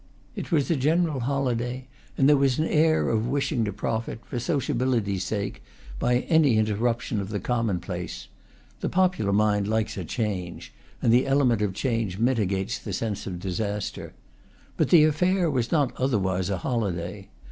It was a general holiday, and there was an air of wishing to profit, for sociability's sake, by any interruption of the common place (the popular mind likes "a change," and the element of change mitigates the sense of disaster); but the affair was not otherwise a holiday.